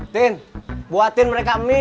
tin buatin mereka mie